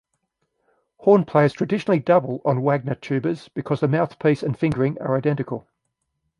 Horn players traditionally double on Wagner tubas because the mouthpiece and fingering are identical.